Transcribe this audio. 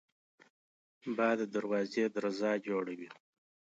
باد د دروازې درزا جوړوي